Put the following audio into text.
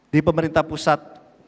di pemerintah pusat